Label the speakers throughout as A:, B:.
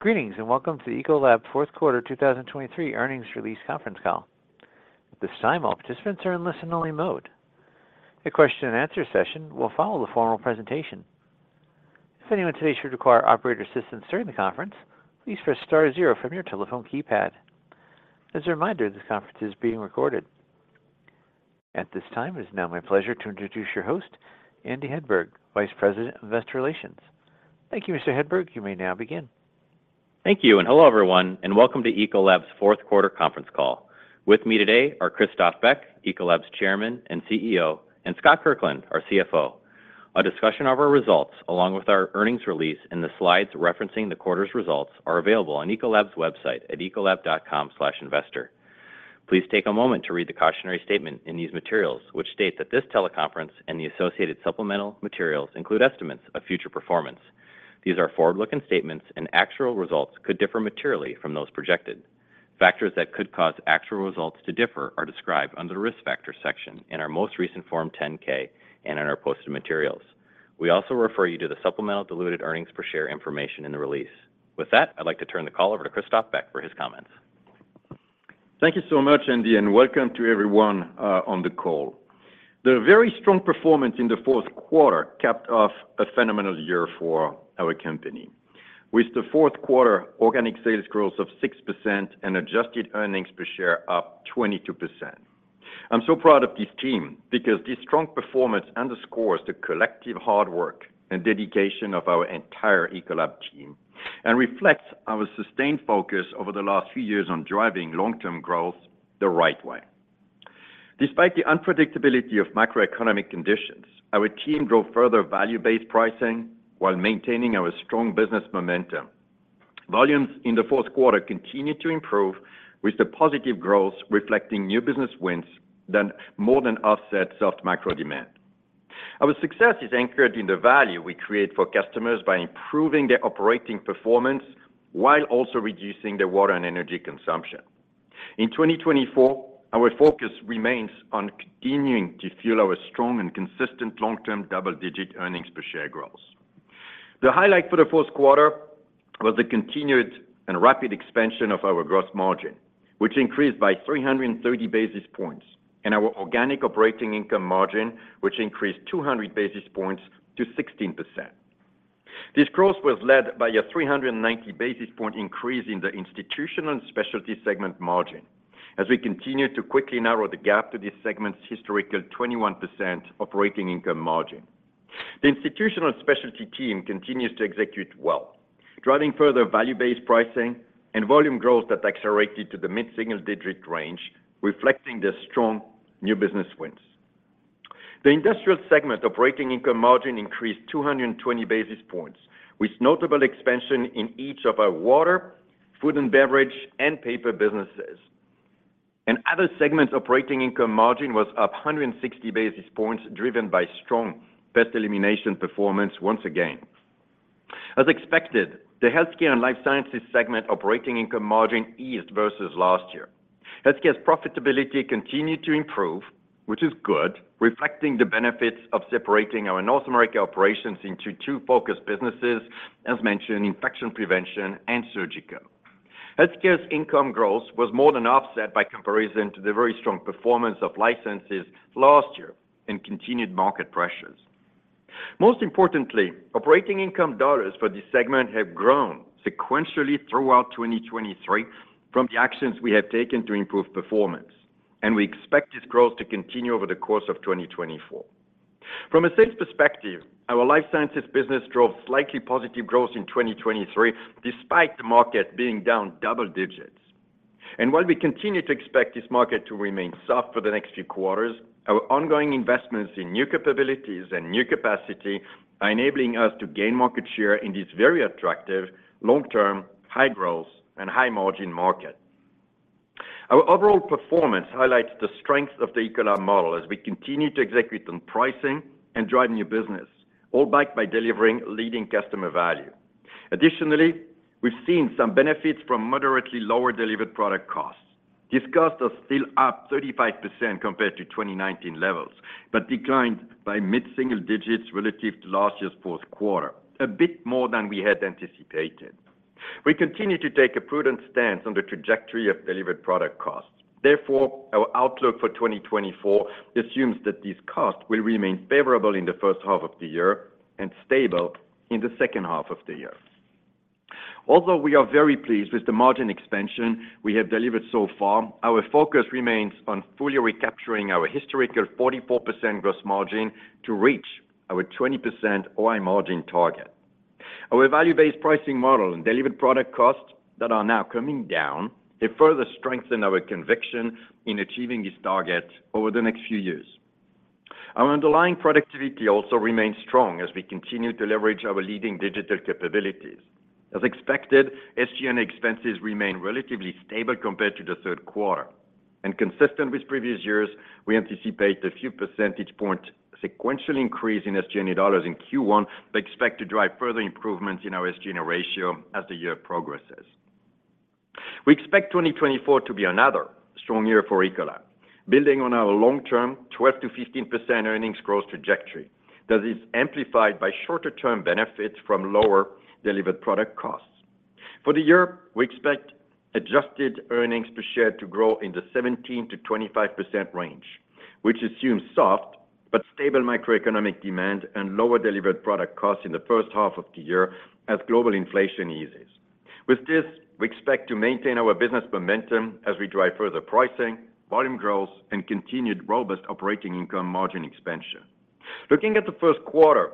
A: Greetings and welcome to the Ecolab Fourth Quarter 2023 Earnings Release Conference Call. At this time, all participants are in listen-only mode. A question-and-answer session will follow the formal presentation. If anyone today should require operator assistance during the conference, please press star zero from your telephone keypad. As a reminder, this conference is being recorded. At this time, it is now my pleasure to introduce your host, Andy Hedberg, Vice President of Investor Relations. Thank you, Mr. Hedberg. You may now begin.
B: Thank you, and hello everyone, and welcome to Ecolab's fourth quarter conference call. With me today are Christophe Beck, Ecolab's Chairman and CEO, and Scott Kirkland, our CFO. A discussion of our results, along with our earnings release and the slides referencing the quarter's results, are available on Ecolab's website at ecolab.com/investor. Please take a moment to read the cautionary statement in these materials, which state that this teleconference and the associated supplemental materials include estimates of future performance. These are forward-looking statements, and actual results could differ materially from those projected. Factors that could cause actual results to differ are described under the risk factors section in our most recent Form 10-K and in our posted materials. We also refer you to the supplemental diluted earnings per share information in the release. With that, I'd like to turn the call over to Christophe Beck for his comments.
C: Thank you so much, Andy, and welcome to everyone on the call. The very strong performance in the fourth quarter capped off a phenomenal year for our company, with the fourth quarter organic sales growth of 6% and adjusted earnings per share up 22%. I'm so proud of this team because this strong performance underscores the collective hard work and dedication of our entire Ecolab team and reflects our sustained focus over the last few years on driving long-term growth the right way. Despite the unpredictability of macroeconomic conditions, our team drove further value-based pricing while maintaining our strong business momentum. Volumes in the fourth quarter continued to improve, with the positive growth reflecting new business wins that more than offset soft macro demand. Our success is anchored in the value we create for customers by improving their operating performance while also reducing their water and energy consumption. In 2024, our focus remains on continuing to fuel our strong and consistent long-term double-digit earnings per share growth. The highlight for the fourth quarter was the continued and rapid expansion of our gross margin, which increased by 330 basis points, and our organic operating income margin, which increased 200 basis points to 16%. This growth was led by a 390 basis point increase in the Institutional & Specialty segment margin, as we continue to quickly narrow the gap to this segment's historical 21% operating income margin. The Institutional & Specialty team continues to execute well, driving further value-based pricing and volume growth that accelerated to the mid-single-digit range, reflecting their strong new business wins. The Industrial segment operating income margin increased 220 basis points, with notable expansion in each of our Water, Food & Beverage, and Paper businesses. In other segments, operating income margin was up 160 basis points, driven by strong Pest Elimination performance once again. As expected, the Healthcare and Life Sciences segment operating income margin eased versus last year. Healthcare's profitability continued to improve, which is good, reflecting the benefits of separating our North America operations into two focus businesses, as mentioned, Infection Prevention and Surgical. Healthcare's income growth was more than offset by comparison to the very strong performance of Life Sciences last year and continued market pressures. Most importantly, operating income dollars for this segment have grown sequentially throughout 2023 from the actions we have taken to improve performance, and we expect this growth to continue over the course of 2024. From a sales perspective, our Life Sciences business drove slightly positive growth in 2023 despite the market being down double digits. While we continue to expect this market to remain soft for the next few quarters, our ongoing investments in new capabilities and new capacity are enabling us to gain market share in this very attractive, long-term, high growth, and high margin market. Our overall performance highlights the strength of the Ecolab model as we continue to execute on pricing and drive new business, all backed by delivering leading customer value. Additionally, we've seen some benefits from moderately lower delivered product costs. This cost is still up 35% compared to 2019 levels but declined by mid-single digits relative to last year's fourth quarter, a bit more than we had anticipated. We continue to take a prudent stance on the trajectory of delivered product costs. Therefore, our outlook for 2024 assumes that these costs will remain favorable in the first half of the year and stable in the second half of the year. Although we are very pleased with the margin expansion we have delivered so far, our focus remains on fully recapturing our historical 44% gross margin to reach our 20% OI margin target. Our value-based pricing model and delivered product costs that are now coming down have further strengthened our conviction in achieving this target over the next few years. Our underlying productivity also remains strong as we continue to leverage our leading digital capabilities. As expected, SG&A expenses remain relatively stable compared to the third quarter. Consistent with previous years, we anticipate a few percentage points sequential increase in SG&A dollars in Q1 but expect to drive further improvements in our SG&A ratio as the year progresses. We expect 2024 to be another strong year for Ecolab, building on our long-term 12%-15% earnings growth trajectory that is amplified by shorter-term benefits from lower delivered product costs. For the year, we expect adjusted earnings per share to grow in the 17%-25% range, which assumes soft but stable macroeconomic demand and lower delivered product costs in the first half of the year as global inflation eases. With this, we expect to maintain our business momentum as we drive further pricing, volume growth, and continued robust operating income margin expansion. Looking at the first quarter,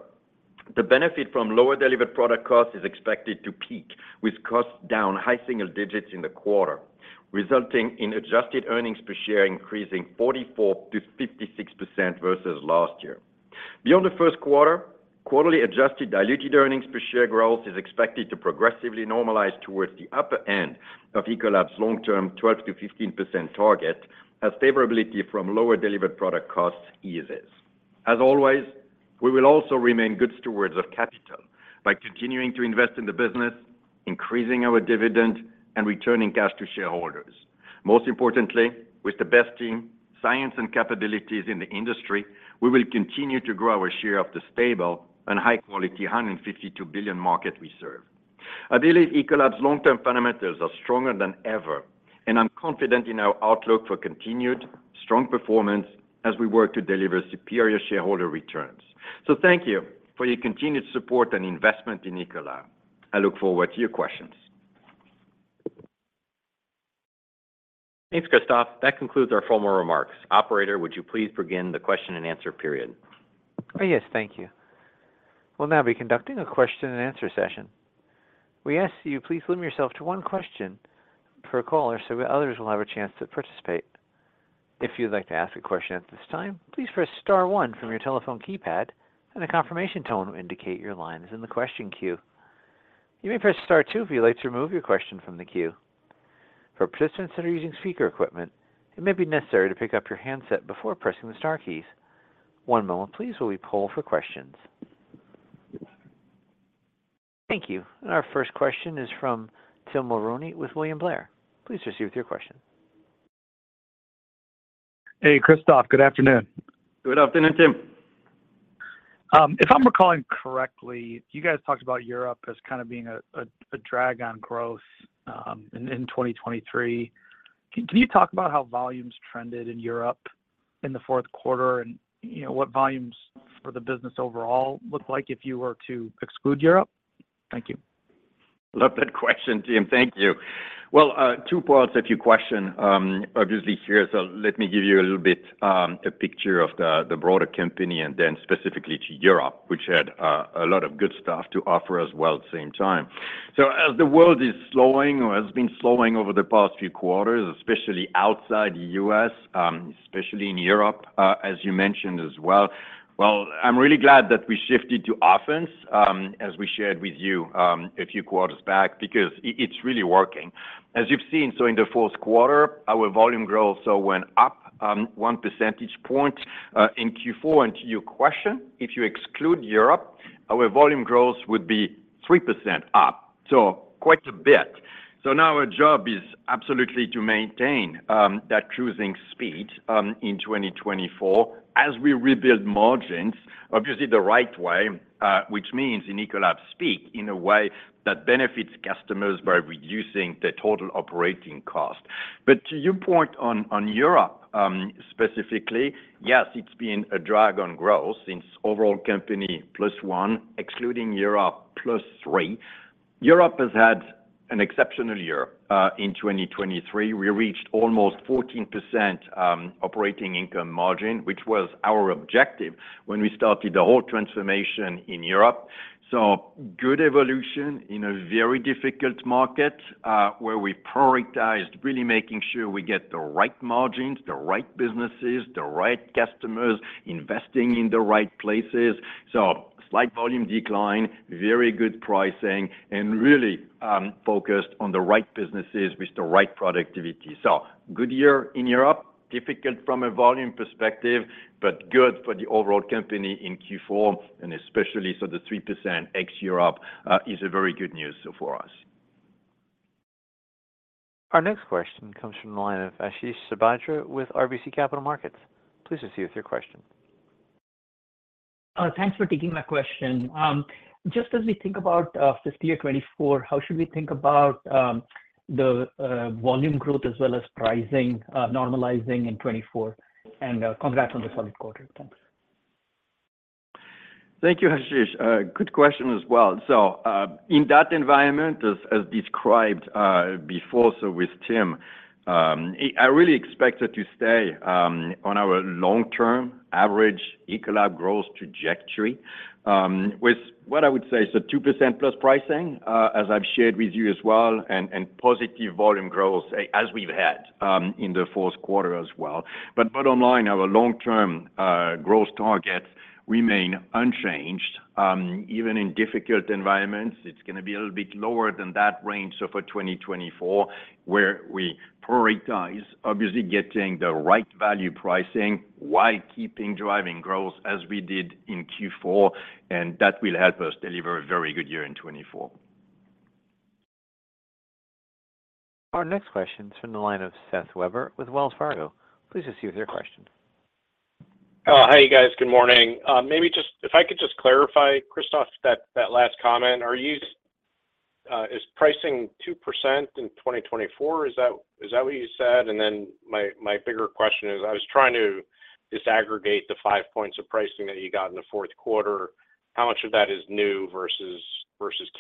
C: the benefit from lower delivered product costs is expected to peak, with costs down high single digits in the quarter, resulting in adjusted earnings per share increasing 44%-56% versus last year. Beyond the first quarter, quarterly adjusted diluted earnings per share growth is expected to progressively normalize towards the upper end of Ecolab's long-term 12%-15% target as favorability from lower delivered product costs eases. As always, we will also remain good stewards of capital by continuing to invest in the business, increasing our dividend, and returning cash to shareholders. Most importantly, with the best team, science, and capabilities in the industry, we will continue to grow our share of the stable and high-quality $152 billion market we serve. I believe Ecolab's long-term fundamentals are stronger than ever, and I'm confident in our outlook for continued strong performance as we work to deliver superior shareholder returns. So thank you for your continued support and investment in Ecolab. I look forward to your questions.
B: Thanks, Christophe. That concludes our formal remarks. Operator, would you please begin the question-and-answer period?
A: Oh, yes. Thank you. We'll now be conducting a question-and-answer session. We ask that you please limit yourself to one question per caller so others will have a chance to participate. If you'd like to ask a question at this time, please press star one from your telephone keypad, and a confirmation tone will indicate your line is in the question queue. You may press star two if you'd like to remove your question from the queue. For participants that are using speaker equipment, it may be necessary to pick up your handset before pressing the star keys. One moment, please, while we pull for questions. Thank you. And our first question is from Tim Mulrooney with William Blair. Please proceed with your question.
D: Hey, Christophe. Good afternoon.
C: Good afternoon, Tim.
E: If I'm recalling correctly, you guys talked about Europe as kind of being a drag on growth in 2023. Can you talk about how volumes trended in Europe in the fourth quarter and what volumes for the business overall looked like if you were to exclude Europe? Thank you.
C: Love that question, Tim. Thank you. Well, two points to your question. Obviously, here, so let me give you a little bit a picture of the broader company and then specifically to Europe, which had a lot of good stuff to offer as well at the same time. So as the world is slowing or has been slowing over the past few quarters, especially outside the U.S., especially in Europe, as you mentioned as well, well, I'm really glad that we shifted to offense, as we shared with you a few quarters back, because it's really working. As you've seen, so in the fourth quarter, our volume growth also went up 1 percentage point in Q4. And to your question, if you exclude Europe, our volume growth would be 3% up, so quite a bit. So now our job is absolutely to maintain that cruising speed in 2024 as we rebuild margins, obviously the right way, which means in Ecolab speak in a way that benefits customers by reducing the total operating cost. But to your point on Europe specifically, yes, it's been a drag on growth since overall company +1%, excluding Europe +3%. Europe has had an exceptional year in 2023. We reached almost 14% operating income margin, which was our objective when we started the whole transformation in Europe. So good evolution in a very difficult market where we prioritized really making sure we get the right margins, the right businesses, the right customers investing in the right places. So slight volume decline, very good pricing, and really focused on the right businesses with the right productivity. So, good year in Europe, difficult from a volume perspective, but good for the overall company in Q4, and especially so the 3% ex-Europe is very good news for us.
A: Our next question comes from the line of Ashish Sabadra with RBC Capital Markets. Please proceed with your question.
F: Thanks for taking my question. Just as we think about fiscal year 2024, how should we think about the volume growth as well as pricing normalizing in 2024? And congrats on the solid quarter. Thanks.
C: Thank you, Ashish. Good question as well. So in that environment, as described before, so with Tim, I really expected to stay on our long-term average Ecolab growth trajectory with what I would say is a 2%+ pricing, as I've shared with you as well, and positive volume growth as we've had in the fourth quarter as well. But bottom line, our long-term growth targets remain unchanged. Even in difficult environments, it's going to be a little bit lower than that range for 2024 where we prioritize, obviously, getting the right value pricing while keeping driving growth as we did in Q4. And that will help us deliver a very good year in 2024.
A: Our next question is from the line of Seth Weber with Wells Fargo. Please proceed with your question.
G: Hi, you guys. Good morning. Maybe just if I could just clarify, Christophe, that last comment, is pricing 2% in 2024? Is that what you said? And then my bigger question is, I was trying to disaggregate the five points of pricing that you got in the fourth quarter. How much of that is new versus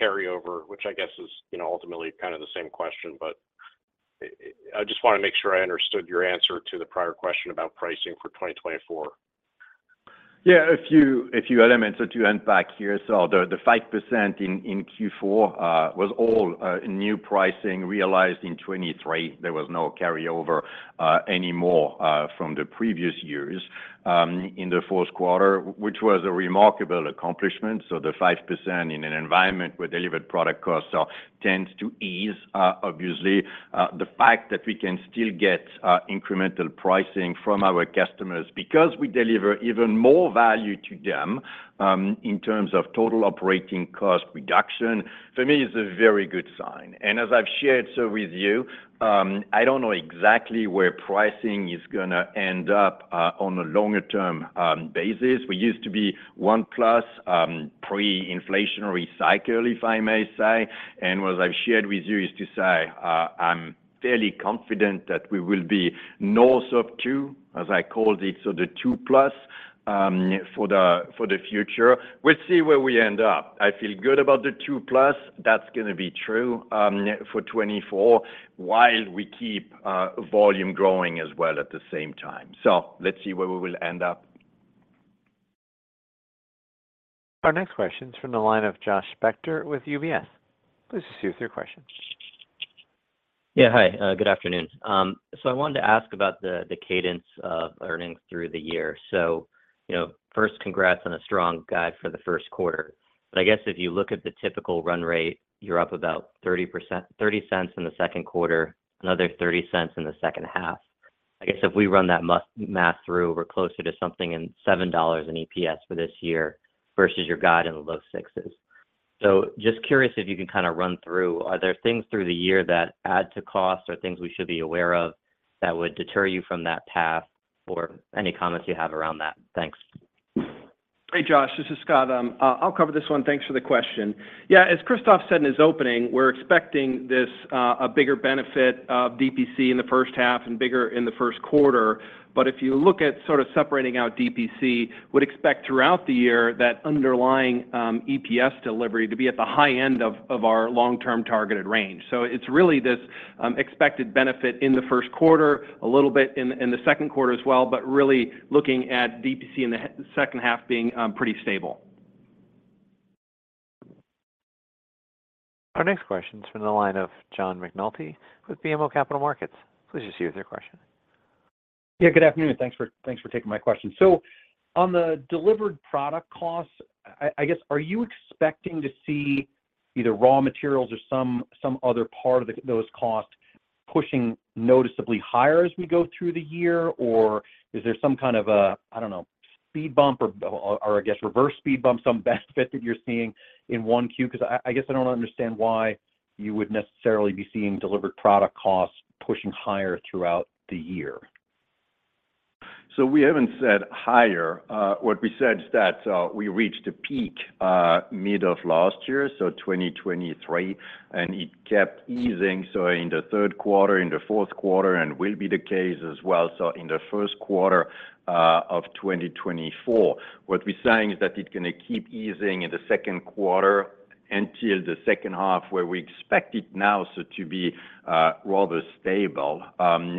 G: carryover, which I guess is ultimately kind of the same question, but I just want to make sure I understood your answer to the prior question about pricing for 2024.
C: Yeah. If you look at the elements that we went back here, so the 5% in Q4 was all new pricing realized in 2023. There was no carryover anymore from the previous years in the fourth quarter, which was a remarkable accomplishment. So the 5% in an environment where delivered product costs tend to ease, obviously, the fact that we can still get incremental pricing from our customers because we deliver even more value to them in terms of total operating cost reduction, for me, is a very good sign. And as I've shared so with you, I don't know exactly where pricing is going to end up on a longer-term basis. We used to be one plus pre-inflationary cycle, if I may say. And what I've shared with you is to say, I'm fairly confident that we will be north of two, as I called it, so the two plus for the future. We'll see where we end up. I feel good about the two plus. That's going to be true for 2024 while we keep volume growing as well at the same time. Let's see where we will end up.
A: Our next question is from the line of Josh Spector with UBS. Please proceed with your question.
H: Yeah. Hi. Good afternoon. So I wanted to ask about the cadence of earnings through the year. So first, congrats on a strong guide for the first quarter. But I guess if you look at the typical run rate, you're up about $0.30 in the second quarter, another $0.30 in the second half. I guess if we run that math through, we're closer to something in $7 in EPS for this year versus your guide in the low sixes. So just curious if you can kind of run through, are there things through the year that add to costs or things we should be aware of that would deter you from that path, or any comments you have around that? Thanks.
I: Hey, Josh. This is Scott. I'll cover this one. Thanks for the question. Yeah. As Christophe said in his opening, we're expecting a bigger benefit of DPC in the first half and bigger in the first quarter. But if you look at sort of separating out DPC, we'd expect throughout the year that underlying EPS delivery to be at the high end of our long-term targeted range. So it's really this expected benefit in the first quarter, a little bit in the second quarter as well, but really looking at DPC in the second half being pretty stable.
A: Our next question is from the line of John McNulty with BMO Capital Markets. Please proceed with your question.
J: Yeah. Good afternoon. Thanks for taking my question. So on the delivered product costs, I guess, are you expecting to see either raw materials or some other part of those costs pushing noticeably higher as we go through the year, or is there some kind of a, I don't know, speed bump or, I guess, reverse speed bump, some benefit that you're seeing in 1Q? Because I guess I don't understand why you would necessarily be seeing delivered product costs pushing higher throughout the year.
C: So we haven't said higher. What we said is that we reached a peak mid of last year, so 2023, and it kept easing. So in the third quarter, in the fourth quarter, and will be the case as well, so in the first quarter of 2024. What we're saying is that it's going to keep easing in the second quarter until the second half where we expect it now to be rather stable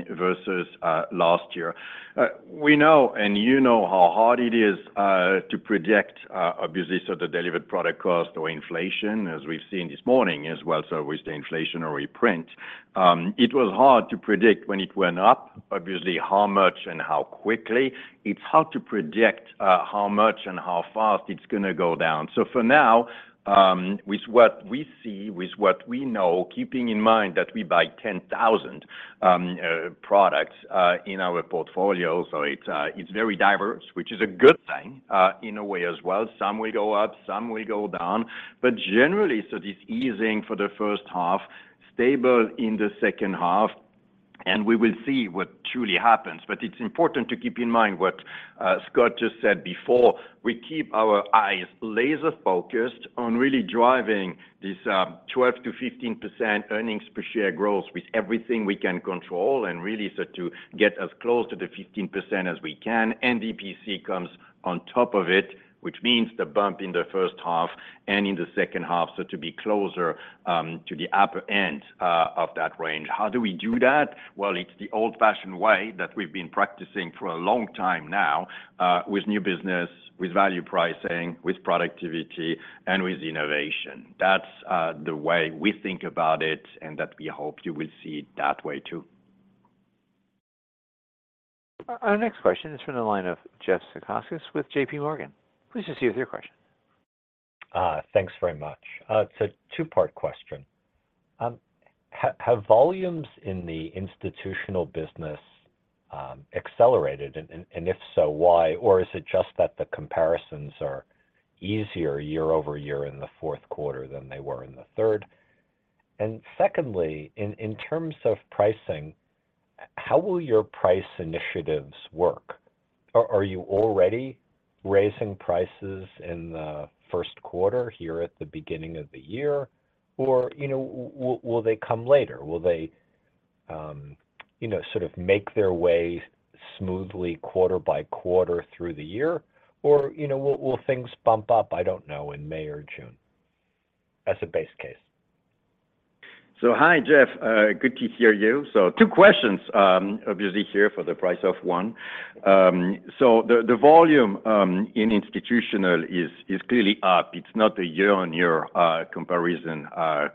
C: versus last year. We know, and you know, how hard it is to predict, obviously, so the delivered product cost or inflation, as we've seen this morning as well, so with the inflationary print. It was hard to predict when it went up, obviously, how much and how quickly. It's hard to predict how much and how fast it's going to go down. So for now, with what we see, with what we know, keeping in mind that we buy 10,000 products in our portfolio, so it's very diverse, which is a good thing in a way as well. Some will go up. Some will go down. But generally, so this easing for the first half, stable in the second half, and we will see what truly happens. But it's important to keep in mind what Scott just said before. We keep our eyes laser-focused on really driving this 12%-15% earnings per share growth with everything we can control and really so to get as close to the 15% as we can. And DPC comes on top of it, which means the bump in the first half and in the second half, so to be closer to the upper end of that range. How do we do that? Well, it's the old-fashioned way that we've been practicing for a long time now with new business, with value pricing, with productivity, and with innovation. That's the way we think about it, and that we hope you will see that way too.
A: Our next question is from the line of Jeff Zekauskas with J.P. Morgan. Please proceed with your question.
K: Thanks very much. It's a two-part question. Have volumes in the Institutional business accelerated? And if so, why? Or is it just that the comparisons are easier year-over-year in the fourth quarter than they were in the third? And secondly, in terms of pricing, how will your price initiatives work? Are you already raising prices in the first quarter here at the beginning of the year, or will they come later? Will they sort of make their way smoothly quarter-by-quarter through the year, or will things bump up, I don't know, in May or June as a base case?
C: So hi, Jeff. Good to hear you. So two questions, obviously, here for the price of one. So the volume in Institutional is clearly up. It's not a year-on-year comparison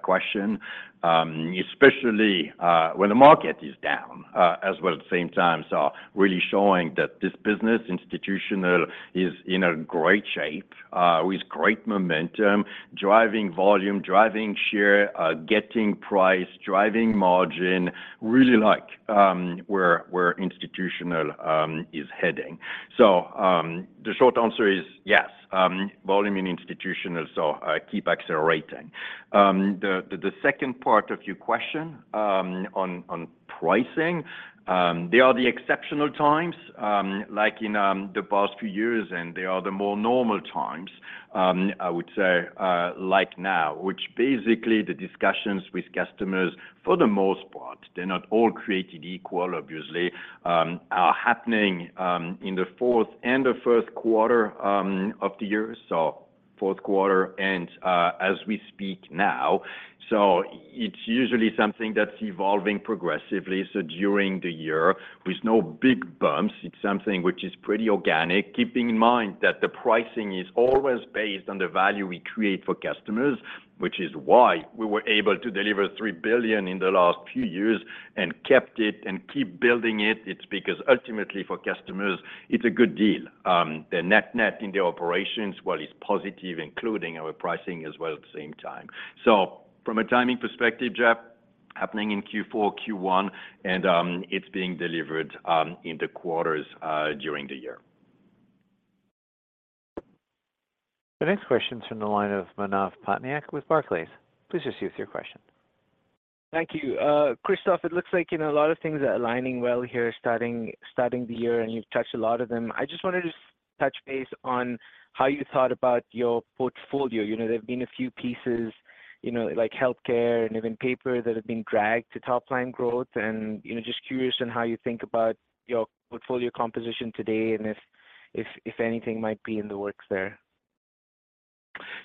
C: question, especially when the market is down as well at the same time. So really showing that this business, Institutional, is in great shape with great momentum, driving volume, driving share, getting price, driving margin, really like where Institutional is heading. So the short answer is yes, volume in Institutional, so keep accelerating. The second part of your question on pricing, there are the exceptional times like in the past few years, and there are the more normal times, I would say, like now, which basically the discussions with customers, for the most part, they're not all created equal, obviously, are happening in the fourth and the first quarter of the year, so fourth quarter and as we speak now. So it's usually something that's evolving progressively. So during the year, with no big bumps, it's something which is pretty organic, keeping in mind that the pricing is always based on the value we create for customers, which is why we were able to deliver $3 billion in the last few years and kept it and keep building it. It's because ultimately, for customers, it's a good deal. Their net-net in their operations, well, is positive, including our pricing as well at the same time. So from a timing perspective, Jeff, happening in Q4, Q1, and it's being delivered in the quarters during the year.
A: The next question is from the line of Manav Patnaik with Barclays. Please proceed with your question.
L: Thank you. Christophe, it looks like a lot of things are aligning well here starting the year, and you've touched a lot of them. I just wanted to touch base on how you thought about your portfolio. There've been a few pieces like Healthcare and even Paper that have been dragged to top-line growth. And just curious on how you think about your portfolio composition today and if anything might be in the works there.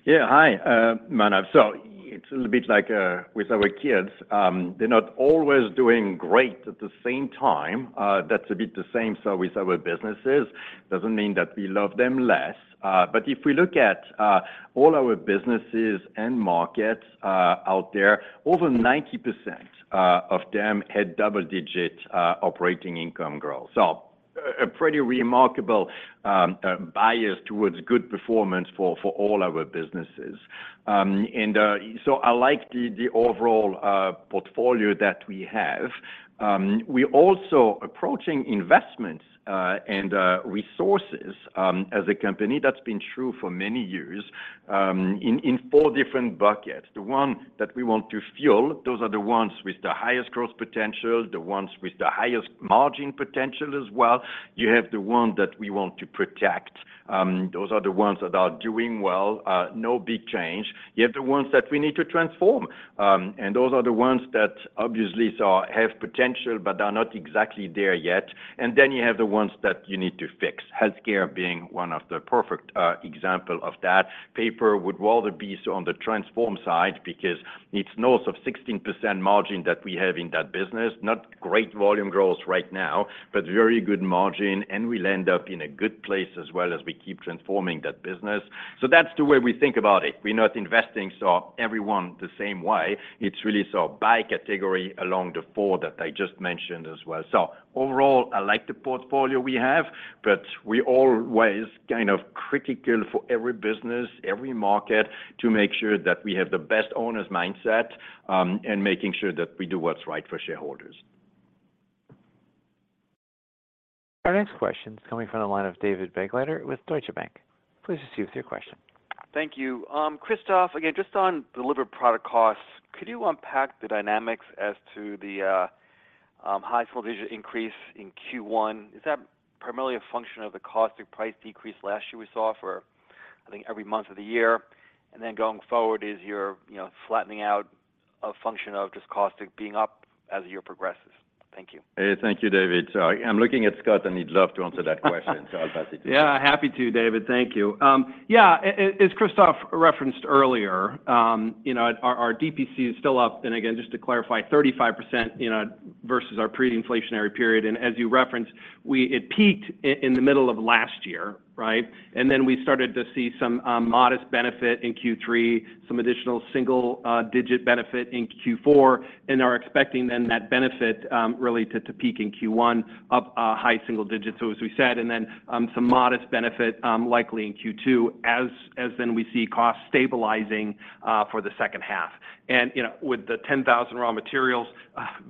C: Yeah. Hi, Manav. So it's a little bit like with our kids. They're not always doing great at the same time. That's a bit the same so with our businesses. Doesn't mean that we love them less. But if we look at all our businesses and markets out there, over 90% of them had double-digit operating income growth, so a pretty remarkable bias towards good performance for all our businesses. And so I like the overall portfolio that we have. We're also approaching investments and resources as a company. That's been true for many years in four different buckets. The one that we want to fuel, those are the ones with the highest growth potential, the ones with the highest margin potential as well. You have the one that we want to protect. Those are the ones that are doing well, no big change. You have the ones that we need to transform. Those are the ones that, obviously, have potential but are not exactly there yet. Then you have the ones that you need to fix, Healthcare being one of the perfect examples of that. Paper would rather be on the transform side because it's north of 16% margin that we have in that business, not great volume growth right now, but very good margin, and we end up in a good place as well as we keep transforming that business. So that's the way we think about it. We're not investing in everyone the same way. It's really by category along the four that I just mentioned as well. Overall, I like the portfolio we have, but we're always kind of critical for every business, every market, to make sure that we have the best owner's mindset and making sure that we do what's right for shareholders.
A: Our next question is coming from the line of David Begleiter with Deutsche Bank. Please proceed with your question.
M: Thank you. Christophe, again, just on delivered product costs, could you unpack the dynamics as to the high single-digit increase in Q1? Is that primarily a function of the cost or price decrease last year we saw for, I think, every month of the year? And then going forward, is your flattening out a function of just cost being up as the year progresses? Thank you.
C: Hey, thank you, David. So I'm looking at Scott, and he'd love to answer that question. So I'll pass it to him.
I: Yeah. Happy to, David. Thank you. Yeah. As Christophe referenced earlier, our DPC is still up. And again, just to clarify, 35% versus our pre-inflationary period. And as you referenced, it peaked in the middle of last year, right? And then we started to see some modest benefit in Q3, some additional single-digit benefit in Q4. And are expecting then that benefit really to peak in Q1, up high single digits, so as we said, and then some modest benefit likely in Q2 as then we see costs stabilizing for the second half. And with the 10,000 raw materials,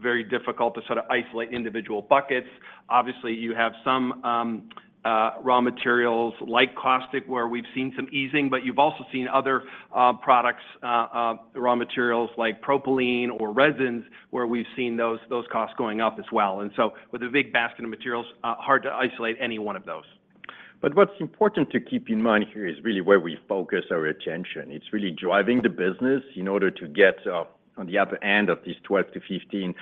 I: very difficult to sort of isolate individual buckets. Obviously, you have some raw materials like caustic where we've seen some easing, but you've also seen other products, raw materials like propylene or resins where we've seen those costs going up as well. With a big basket of materials, hard to isolate any one of those.
C: But what's important to keep in mind here is really where we focus our attention. It's really driving the business in order to get on the upper end of this 12%-15%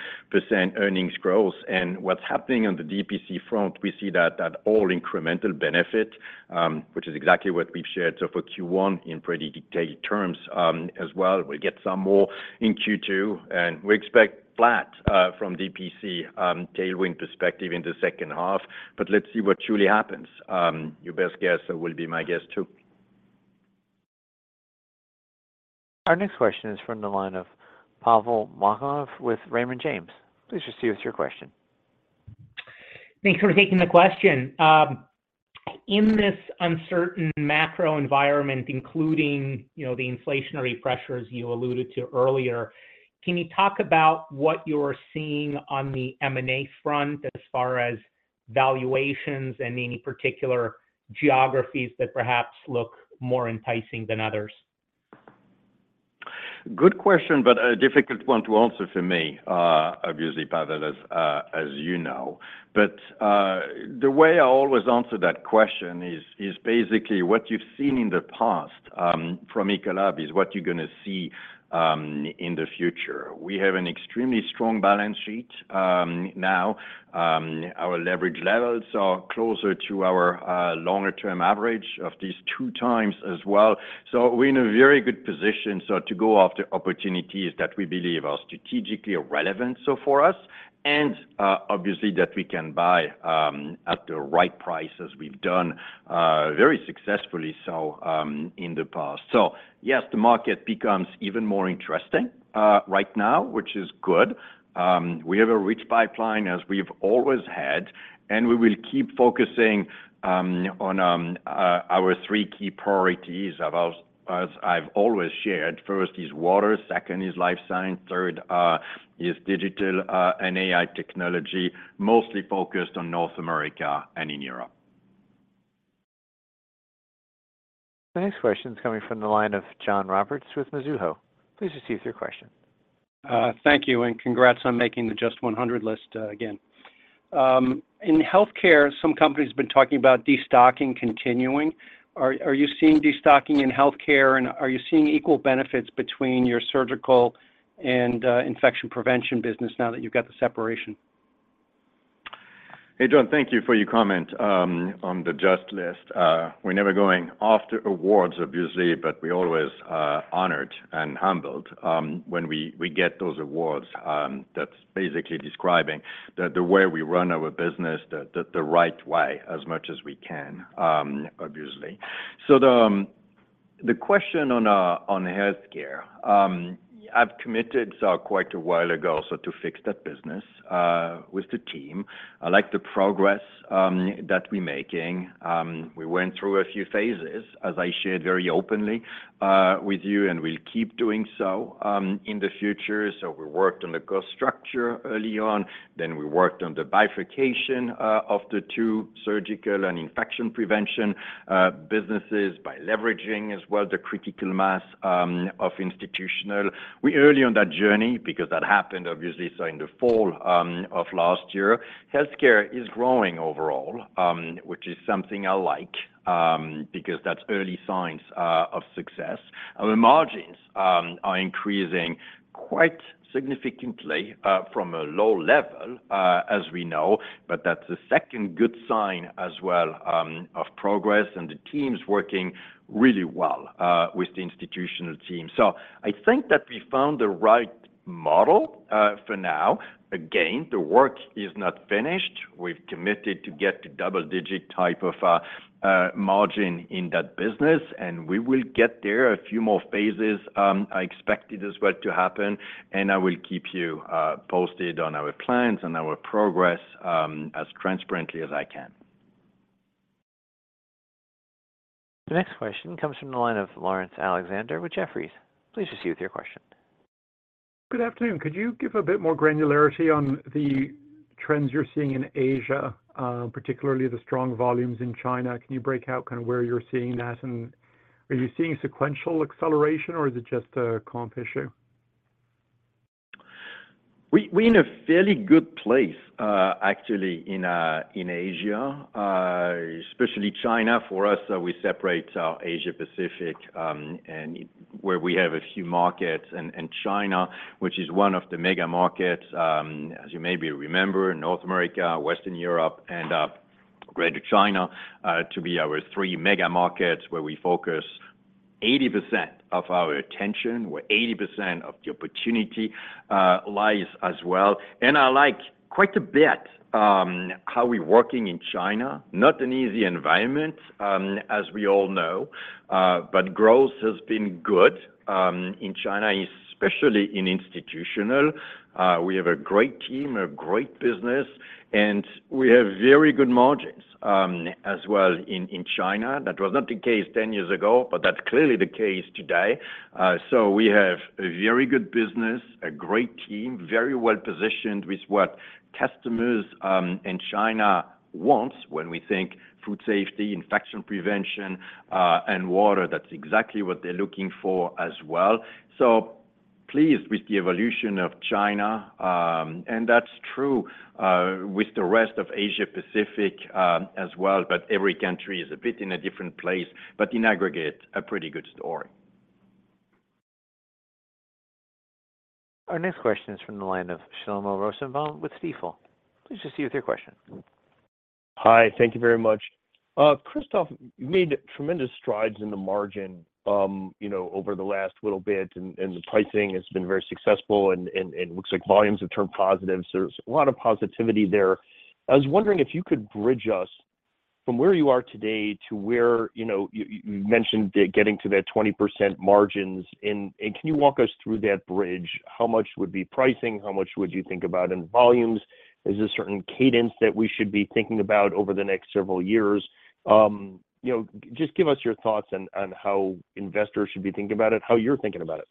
C: earnings growth. And what's happening on the DPC front, we see that all incremental benefit, which is exactly what we've shared so for Q1 in pretty detailed terms as well. We'll get some more in Q2, and we expect flat from DPC tailwind perspective in the second half. But let's see what truly happens. Your best guess will be my guess too.
A: Our next question is from the line of Pavel Molchanov with Raymond James. Please proceed with your question.
N: Thanks for taking the question. In this uncertain macro environment, including the inflationary pressures you alluded to earlier, can you talk about what you're seeing on the M&A front as far as valuations and any particular geographies that perhaps look more enticing than others?
C: Good question, but a difficult one to answer for me, obviously, Pavel, as you know. But the way I always answer that question is basically what you've seen in the past from Ecolab is what you're going to see in the future. We have an extremely strong balance sheet now. Our leverage levels are closer to our longer-term average of two times as well. So we're in a very good position so to go after opportunities that we believe are strategically relevant so for us and obviously that we can buy at the right price as we've done very successfully so in the past. So yes, the market becomes even more interesting right now, which is good. We have a rich pipeline as we've always had, and we will keep focusing on our three key priorities as I've always shared. First is water, second is life science, third is digital and AI technology, mostly focused on North America and in Europe.
A: The next question is coming from the line of John Roberts with Mizuho. Please proceed with your question.
O: Thank you and congrats on making the JUST 100 list again. In Healthcare, some companies have been talking about destocking continuing. Are you seeing destocking in Healthcare, and are you seeing equal benefits between your Surgical and Infection Prevention business now that you've got the separation?
C: Hey, John, thank you for your comment on the JUST list. We're never going after awards, obviously, but we're always honored and humbled when we get those awards. That's basically describing the way we run our business the right way as much as we can, obviously. So the question on Healthcare, I've committed so quite a while ago so to fix that business with the team. I like the progress that we're making. We went through a few phases, as I shared very openly with you, and we'll keep doing so in the future. So we worked on the cost structure early on. Then we worked on the bifurcation of the two Surgical and Infection Prevention businesses by leveraging as well the critical mass of Institutional. We're early on that journey because that happened, obviously, so in the fall of last year. Healthcare is growing overall, which is something I like because that's early signs of success. Our margins are increasing quite significantly from a low level, as we know, but that's a second good sign as well of progress, and the team's working really well with the Institutional team. So I think that we found the right model for now. Again, the work is not finished. We've committed to get to double-digit type of margin in that business, and we will get there a few more phases. I expect it as well to happen, and I will keep you posted on our plans and our progress as transparently as I can.
A: The next question comes from the line of Laurence Alexander with Jefferies. Please proceed with your question.
P: Good afternoon. Could you give a bit more granularity on the trends you're seeing in Asia, particularly the strong volumes in China? Can you break out kind of where you're seeing that? And are you seeing sequential acceleration, or is it just a comp issue?
C: We're in a fairly good place, actually, in Asia, especially China. For us, we separate Asia-Pacific where we have a few markets. And China, which is one of the mega markets, as you maybe remember, North America, Western Europe, and Greater China to be our three mega markets where we focus 80% of our attention where 80% of the opportunity lies as well. And I like quite a bit how we're working in China. Not an easy environment, as we all know, but growth has been good in China, especially in Institutional. We have a great team, a great business, and we have very good margins as well in China. That was not the case 10 years ago, but that's clearly the case today. So we have a very good business, a great team, very well positioned with what customers in China want when we think Food Safety, Infection Prevention, and Water. That's exactly what they're looking for as well. So pleased with the evolution of China, and that's true with the rest of Asia-Pacific as well, but every country is a bit in a different place. But in aggregate, a pretty good story.
A: Our next question is from the line of Shlomo Rosenbaum with Stifel. Please proceed with your question.
Q: Hi. Thank you very much. Christophe, you've made tremendous strides in the margin over the last little bit, and the pricing has been very successful and looks like volumes have turned positive. There's a lot of positivity there. I was wondering if you could bridge us from where you are today to where you mentioned getting to that 20% margins. Can you walk us through that bridge? How much would be pricing? How much would you think about in volumes? Is there a certain cadence that we should be thinking about over the next several years? Just give us your thoughts on how investors should be thinking about it, how you're thinking about it.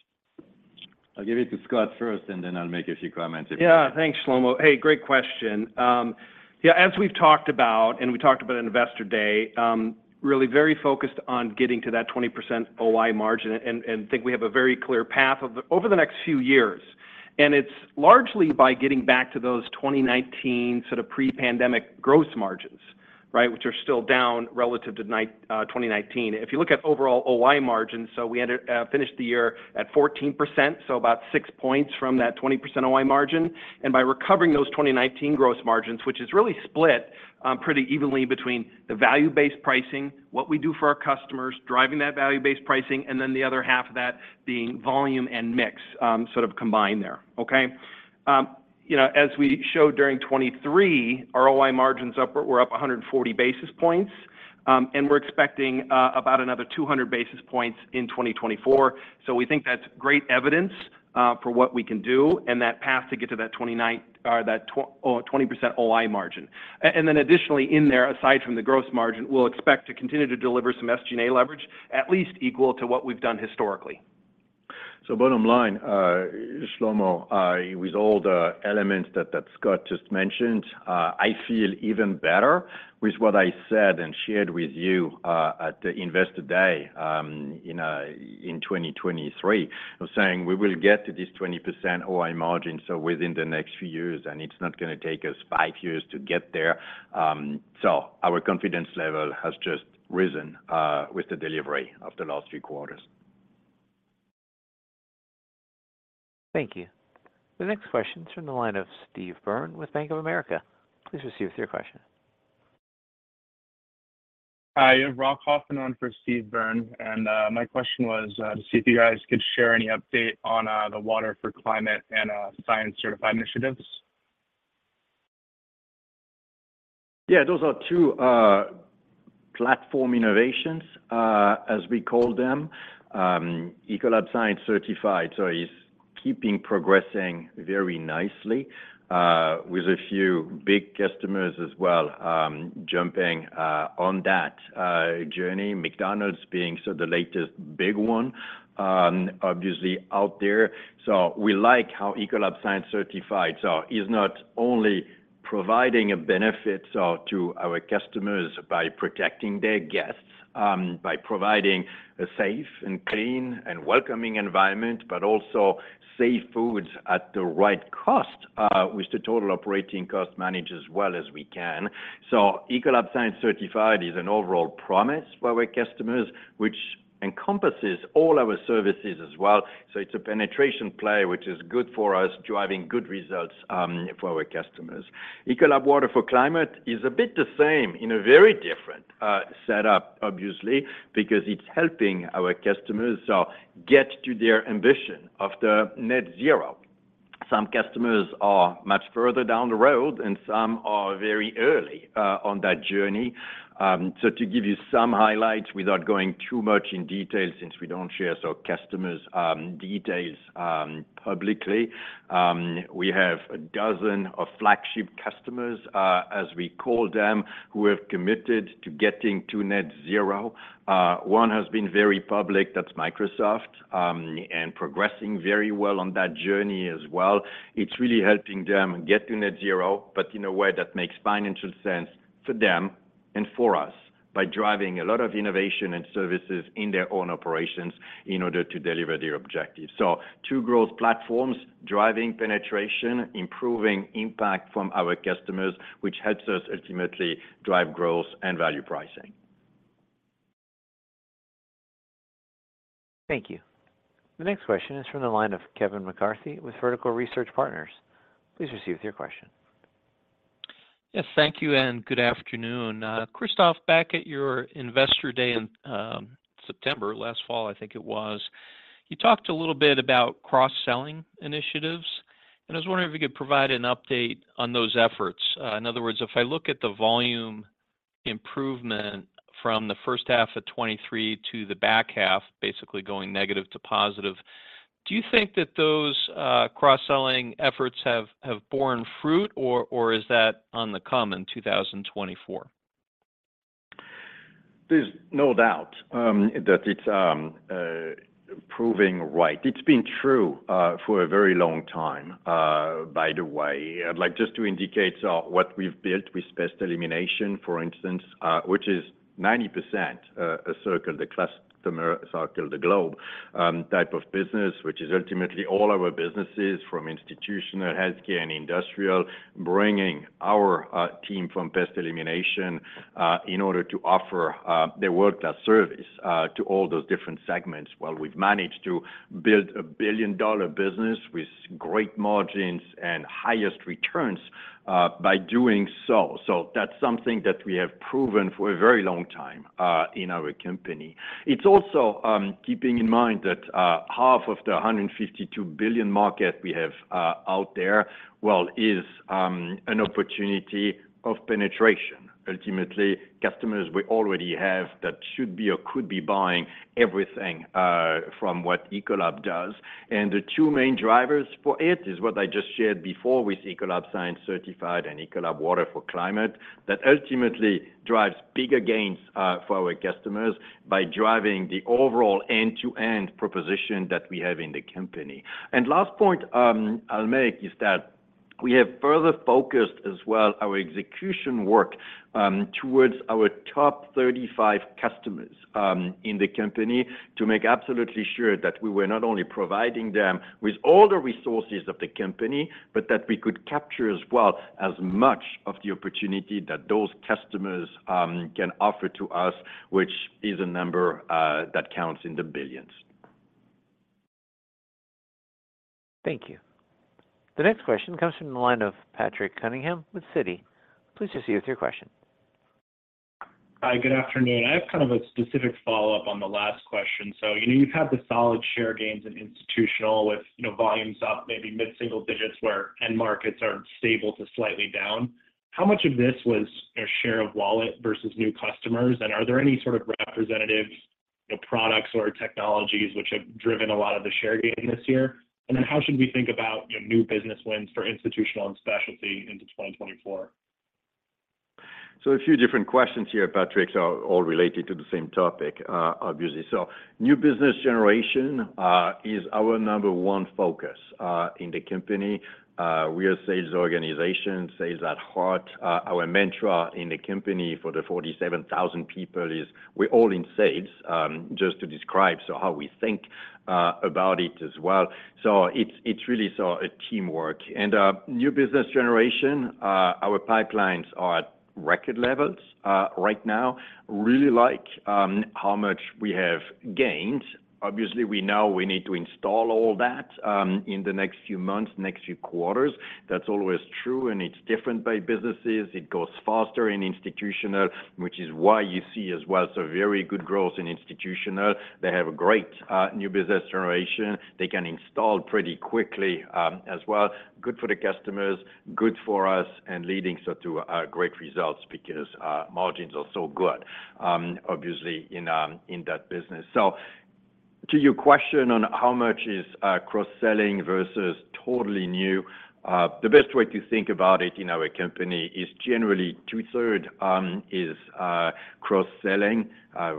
C: I'll give it to Scott first, and then I'll make a few comments if.
I: Yeah. Thanks, Shlomo. Hey, great question. Yeah. As we've talked about, and we talked about Investor Day, really very focused on getting to that 20% OI margin. And I think we have a very clear path over the next few years. And it's largely by getting back to those 2019 sort of pre-pandemic gross margins, right, which are still down relative to 2019. If you look at overall OI margins, so we finished the year at 14%, so about six points from that 20% OI margin. And by recovering those 2019 gross margins, which is really split pretty evenly between the value-based pricing, what we do for our customers, driving that value-based pricing, and then the other half of that being volume and mix sort of combined there, okay? As we showed during 2023, our OI margins were up 140 basis points, and we're expecting about another 200 basis points in 2024. So we think that's great evidence for what we can do and that path to get to that 20% OI margin. And then additionally in there, aside from the gross margin, we'll expect to continue to deliver some SG&A leverage, at least equal to what we've done historically.
C: So bottom line, Shlomo, with all the elements that Scott just mentioned, I feel even better with what I said and shared with you at the Investor Day in 2023 of saying we will get to this 20% OI margin so within the next few years, and it's not going to take us five years to get there. So our confidence level has just risen with the delivery of the last few quarters.
A: Thank you. The next question is from the line of Steve Byrne with Bank of America. Please proceed with your question.
R: Hi. I'm Rob Hoffman for Steve Byrne, and my question was to see if you guys could share any update on the Water for Climate and Science Certified initiatives.
C: Yeah. Those are two platform innovations, as we call them, Ecolab Science Certified. So it's keeping progressing very nicely with a few big customers as well jumping on that journey, McDonald's being so the latest big one, obviously, out there. So we like how Ecolab Science Certified so is not only providing a benefit to our customers by protecting their guests, by providing a safe and clean and welcoming environment, but also safe foods at the right cost with the total operating cost manage as well as we can. So Ecolab Science Certified is an overall promise for our customers, which encompasses all our services as well. So it's a penetration play which is good for us, driving good results for our customers. Ecolab Water for Climate is a bit the same in a very different setup, obviously, because it's helping our customers so get to their ambition of the net zero. Some customers are much further down the road, and some are very early on that journey. So to give you some highlights without going too much in detail since we don't share so customers' details publicly, we have a dozen of flagship customers, as we call them, who have committed to getting to net zero. One has been very public. That's Microsoft and progressing very well on that journey as well. It's really helping them get to net zero, but in a way that makes financial sense for them and for us by driving a lot of innovation and services in their own operations in order to deliver their objectives. So two growth platforms driving penetration, improving impact from our customers, which helps us ultimately drive growth and value pricing.
A: Thank you. The next question is from the line of Kevin McCarthy with Vertical Research Partners. Please proceed with your question.
S: Yes. Thank you and good afternoon. Christophe, back at your Investor Day in September, last fall, I think it was, you talked a little bit about cross-selling initiatives, and I was wondering if you could provide an update on those efforts. In other words, if I look at the volume improvement from the first half of 2023 to the back half, basically going negative to positive, do you think that those cross-selling efforts have borne fruit, or is that on the come in 2024?
C: There's no doubt that it's proving right. It's been true for a very long time, by the way. Just to indicate what we've built with Pest Elimination, for instance, which is 90% of a circle, the customer circle, the global type of business, which is ultimately all our businesses from Institutional Healthcare and Industrial, bringing our team from Pest Elimination in order to offer their world-class service to all those different segments. Well, we've managed to build a billion-dollar business with great margins and highest returns by doing so. So that's something that we have proven for a very long time in our company. It's also keeping in mind that half of the $152 billion market we have out there, well, is an opportunity for penetration. Ultimately, customers we already have that should be or could be buying everything from what Ecolab does. The two main drivers for it is what I just shared before with Ecolab Science Certified and Ecolab Water for Climate that ultimately drives bigger gains for our customers by driving the overall end-to-end proposition that we have in the company. Last point I'll make is that we have further focused as well our execution work towards our top 35 customers in the company to make absolutely sure that we were not only providing them with all the resources of the company, but that we could capture as well as much of the opportunity that those customers can offer to us, which is a number that counts in the billions.
A: Thank you. The next question comes from the line of Patrick Cunningham with Citi. Please proceed with your question.
T: Hi. Good afternoon. I have kind of a specific follow-up on the last question. So you've had the solid share gains in Institutional with volumes up maybe mid-single digits where end markets are stable to slightly down. How much of this was share of wallet versus new customers? And are there any sort of representative products or technologies which have driven a lot of the share gain this year? And then how should we think about new business wins for Institutional and Specialty into 2024?
C: So a few different questions here, Patrick, are all related to the same topic, obviously. So new business generation is our number one focus in the company. We are sales organization, sales at heart. Our mantra in the company for the 47,000 people is we're all in sales, just to describe so how we think about it as well. So it's really so a teamwork. And new business generation, our pipelines are at record levels right now, really like how much we have gained. Obviously, we know we need to install all that in the next few months, next few quarters. That's always true, and it's different by businesses. It goes faster in Institutional, which is why you see as well so very good growth in Institutional. They have a great new business generation. They can install pretty quickly as well. Good for the customers, good for us, and leading so to great results because margins are so good, obviously, in that business. To your question on how much is cross-selling versus totally new, the best way to think about it in our company is generally two-third is cross-selling,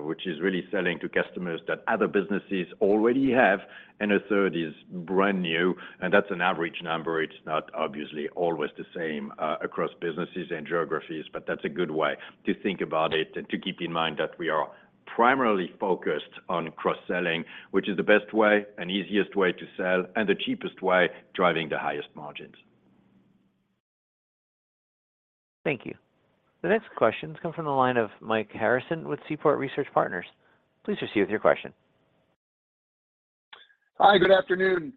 C: which is really selling to customers that other businesses already have, and a third is brand new. That's an average number. It's not obviously always the same across businesses and geographies, but that's a good way to think about it and to keep in mind that we are primarily focused on cross-selling, which is the best way, an easiest way to sell, and the cheapest way, driving the highest margins.
A: Thank you. The next questions come from the line of Mike Harrison with Seaport Research Partners. Please proceed with your question.
U: Hi. Good afternoon.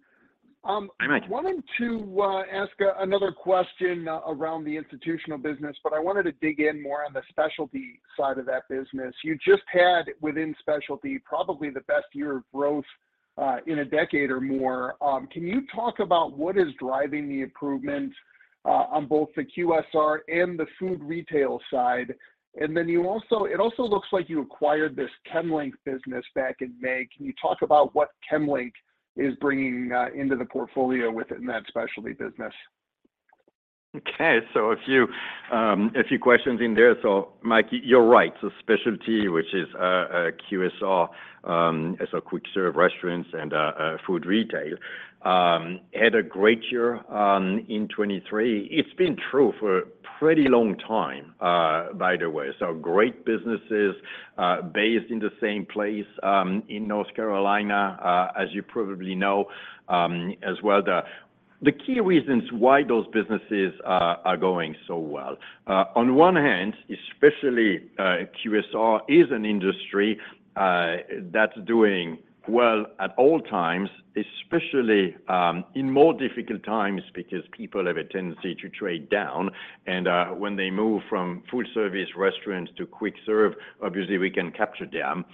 U: I'm wanting to ask another question around the Institutional business, but I wanted to dig in more on the Specialty side of that business. You just had within Specialty probably the best year of growth in a decade or more. Can you talk about what is driving the improvement on both the QSR and the food retail side? And then it also looks like you acquired this Chemlink business back in May. Can you talk about what Chemlink is bringing into the portfolio with it in that Specialty business?
C: Okay. A few questions in there. Mike, you're right. Specialty, which is QSR, so Quick Service Restaurants and food retail, had a great year in 2023. It's been true for a pretty long time, by the way. Great businesses based in the same place in North Carolina, as you probably know as well. The key reasons why those businesses are going so well. On one hand, especially QSR is an industry that's doing well at all times, especially in more difficult times because people have a tendency to trade down. And when they move from food service restaurants to quick serve, obviously, we can capture them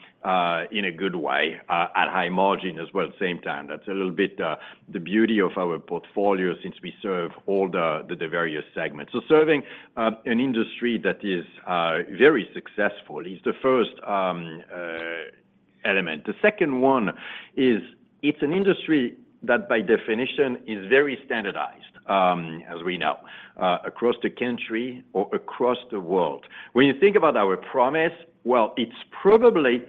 C: in a good way at high margin as well at the same time. That's a little bit the beauty of our portfolio since we serve all the various segments. So serving an industry that is very successful is the first element. The second one is it's an industry that, by definition, is very standardized, as we know, across the country or across the world. When you think about our promise, well, it's probably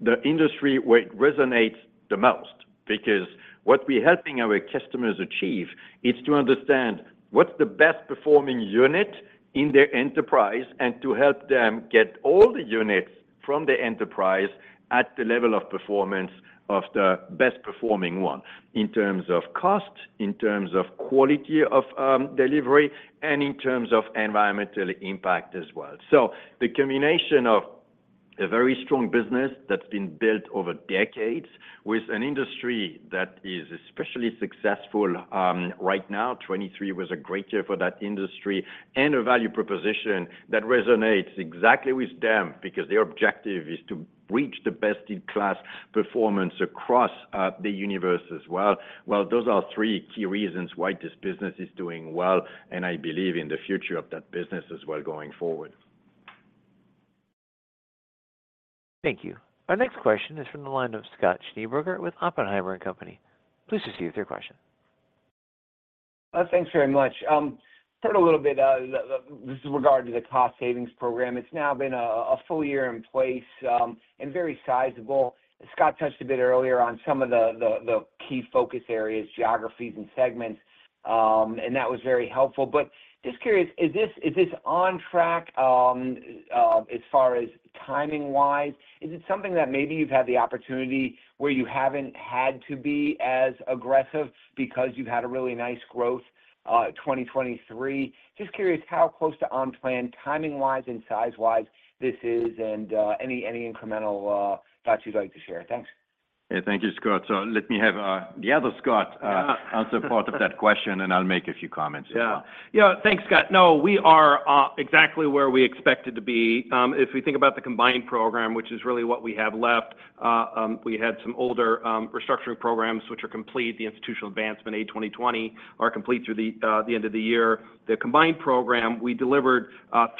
C: the industry where it resonates the most because what we're helping our customers achieve, it's to understand what's the best performing unit in their enterprise and to help them get all the units from their enterprise at the level of performance of the best performing one in terms of cost, in terms of quality of delivery, and in terms of environmental impact as well. So the combination of a very strong business that's been built over decades with an industry that is especially successful right now, 2023 was a great year for that industry and a value proposition that resonates exactly with them because their objective is to reach the best-in-class performance across the universe as well. Well, those are three key reasons why this business is doing well, and I believe in the future of that business as well going forward.
A: Thank you. Our next question is from the line of Scott Schneeberger with Oppenheimer & Company. Please proceed with your question.
V: Thanks very much. I've heard a little bit. This is regarding the cost savings program. It's now been a full year in place and very sizable. Scott touched a bit earlier on some of the key focus areas, geographies, and segments, and that was very helpful. But just curious, is this on track as far as timing-wise? Is it something that maybe you've had the opportunity where you haven't had to be as aggressive because you've had a really nice growth 2023? Just curious how close to on-plan timing-wise and size-wise this is and any incremental thoughts you'd like to share. Thanks.
C: Yeah. Thank you, Scott. So let me have the other Scott answer part of that question, and I'll make a few comments as well.
I: Yeah. Yeah. Thanks, Scott. No, we are exactly where we expected to be. If we think about the combined program, which is really what we have left, we had some older restructuring programs which are complete. The Institutional Advancement A2020 are complete through the end of the year. The combined program, we delivered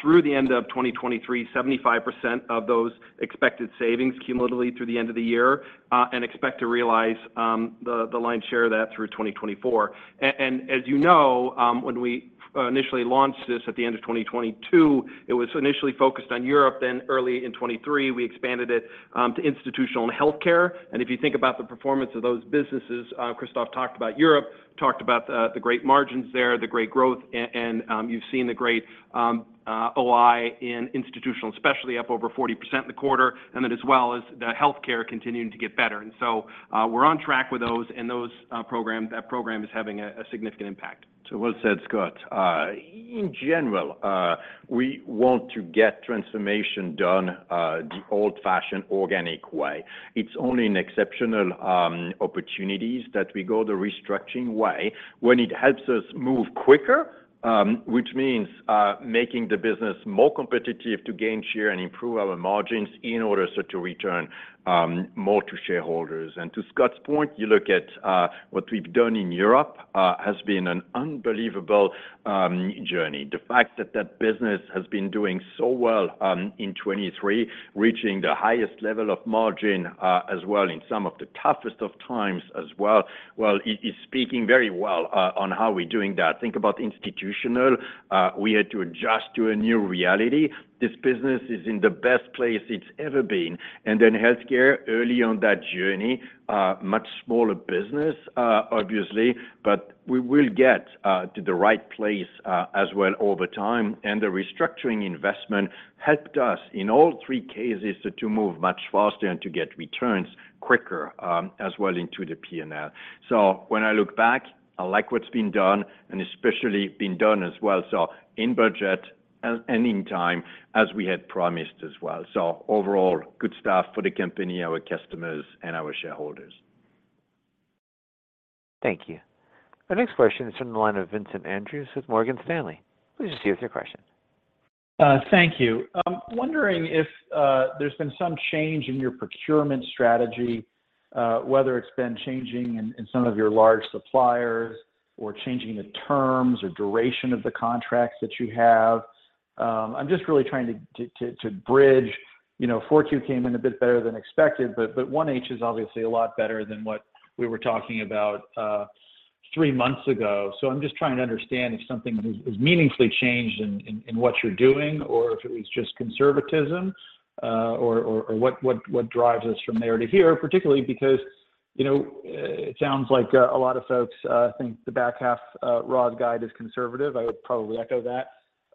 I: through the end of 2023, 75% of those expected savings cumulatively through the end of the year and expect to realize the lion's share of that through 2024. As you know, when we initially launched this at the end of 2022, it was initially focused on Europe. Then early in 2023, we expanded it to Institutional and Healthcare. If you think about the performance of those businesses, Christophe talked about Europe, talked about the great margins there, the great growth, and you've seen the great OI in Institutional, especially up over 40% in the quarter, and then as well as the Healthcare continuing to get better. So we're on track with those, and that program is having a significant impact.
C: So what I said, Scott, in general, we want to get transformation done the old-fashioned organic way. It's only in exceptional opportunities that we go the restructuring way when it helps us move quicker, which means making the business more competitive to gain share and improve our margins in order so to return more to shareholders. And to Scott's point, you look at what we've done in Europe has been an unbelievable journey. The fact that that business has been doing so well in 2023, reaching the highest level of margin as well in some of the toughest of times as well, well, it is speaking very well on how we're doing that. Think about Institutional. We had to adjust to a new reality. This business is in the best place it's ever been. And then Healthcare, early on that journey, much smaller business, obviously, but we will get to the right place as well over time. And the restructuring investment helped us in all three cases to move much faster and to get returns quicker as well into the P&L. So when I look back, I like what's been done and especially been done as well. So in budget and in time as we had promised as well. So overall, good stuff for the company, our customers, and our shareholders.
A: Thank you. The next question is from the line of Vincent Andrews with Morgan Stanley. Please proceed with your question.
W: Thank you. Wondering if there's been some change in your procurement strategy, whether it's been changing in some of your large suppliers or changing the terms or duration of the contracts that you have. I'm just really trying to bridge. 4Q came in a bit better than expected, but 1H is obviously a lot better than what we were talking about three months ago. So I'm just trying to understand if something has meaningfully changed in what you're doing or if it was just conservatism or what drives us from there to here, particularly because it sounds like a lot of folks think the back half raws guide is conservative. I would probably echo that.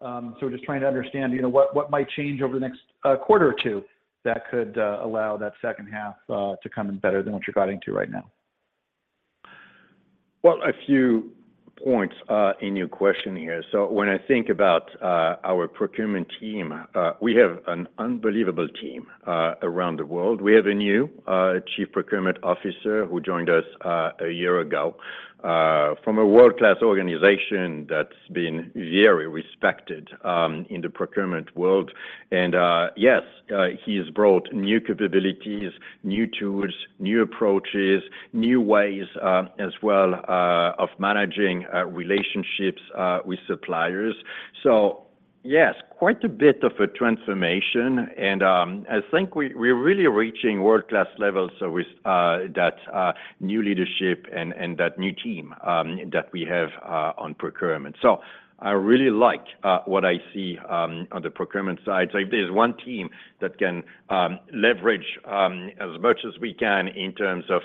W: So we're just trying to understand what might change over the next quarter or two that could allow that second half to come in better than what you're going to right now.
C: Well, a few points in your question here. So when I think about our procurement team, we have an unbelievable team around the world. We have a new chief procurement officer who joined us a year ago from a world-class organization that's been very respected in the procurement world. And yes, he's brought new capabilities, new tools, new approaches, new ways as well of managing relationships with suppliers. So yes, quite a bit of a transformation. And I think we're really reaching world-class levels with that new leadership and that new team that we have on procurement. So I really like what I see on the procurement side. So if there's one team that can leverage as much as we can in terms of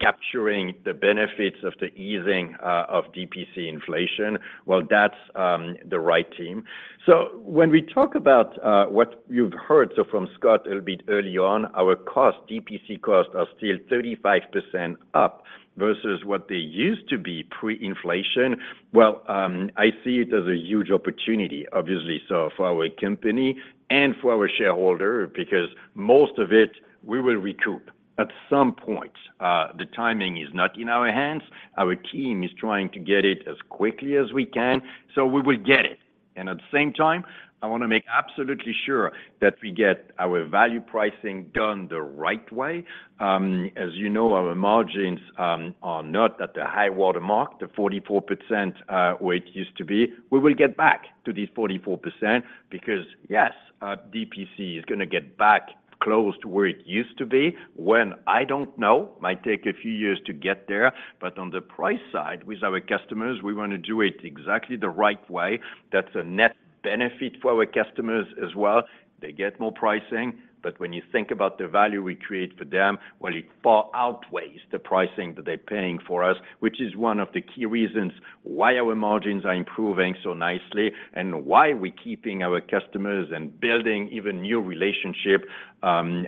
C: capturing the benefits of the easing of DPC inflation, well, that's the right team. So when we talk about what you've heard so from Scott a little bit early on, our cost, DPC costs, are still 35% up versus what they used to be pre-inflation. Well, I see it as a huge opportunity, obviously, so for our company and for our shareholder because most of it, we will recoup at some point. The timing is not in our hands. Our team is trying to get it as quickly as we can. So we will get it. And at the same time, I want to make absolutely sure that we get our value pricing done the right way. As you know, our margins are not at the high watermark, the 44% where it used to be. We will get back to these 44% because yes, DPC is going to get back close to where it used to be. When I don't know, might take a few years to get there. But on the price side with our customers, we want to do it exactly the right way. That's a net benefit for our customers as well. They get more pricing. But when you think about the value we create for them, well, it far outweighs the pricing that they're paying for us, which is one of the key reasons why our margins are improving so nicely and why we're keeping our customers and building even new relationships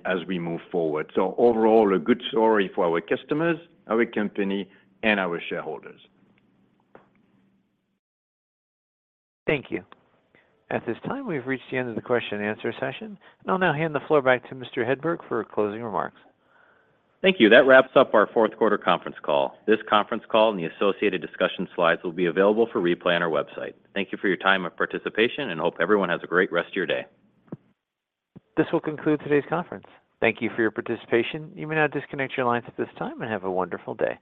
C: as we move forward. So overall, a good story for our customers, our company, and our shareholders.
A: Thank you. At this time, we've reached the end of the question-and-answer session. I'll now hand the floor back to Mr. Hedberg for closing remarks.
B: Thank you. That wraps up our fourth quarter conference call. This conference call and the associated discussion slides will be available for replay on our website. Thank you for your time of participation, and hope everyone has a great rest of your day.
A: This will conclude today's conference. Thank you for your participation. You may now disconnect your lines at this time and have a wonderful day.